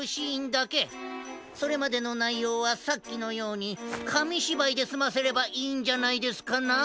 それまでのないようはさっきのようにかみしばいですませればいいんじゃないですかな？